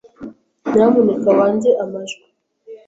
Nyamuneka wange amajwi.